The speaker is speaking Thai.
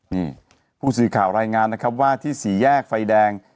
นี่ผู้สื่อข่าวรายงานนะครับว่าที่สี่แยกไฟแดง